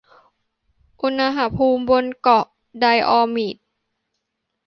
อุณหภูมิบนหมู่เกาะไดออมีด